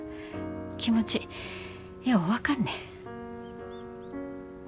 気持ちよう分かんね。